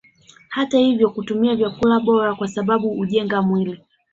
Hata ivyo kutumia vyakula bora kwasababu ujenga mwili